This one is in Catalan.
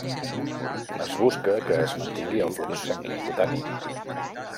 Es busca que es mantingui el flux sanguini cutani.